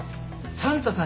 サンタさん